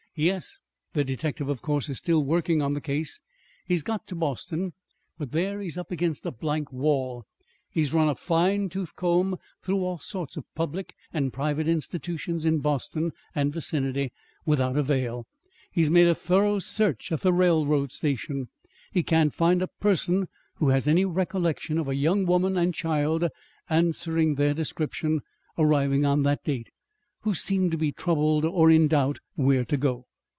"Yes. The detective, of course, is still working on the case. He got to Boston, but there he's up against a blank wall. He's run a fine tooth comb through all sorts of public and private institutions in Boston and vicinity without avail. He's made a thorough search at the railroad station. He can't find a person who has any recollection of a young woman and child answering their description, arriving on that date, who seemed to be troubled or in doubt where to go.